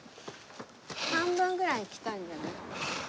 半分ぐらい来たんじゃない？